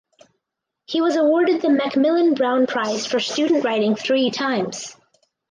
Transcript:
He was awarded the Macmillan Brown Prize for student writing three times.